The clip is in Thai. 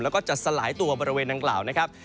แล้วก็จะสลายตัวบริเวณดังกล่าวนะครับ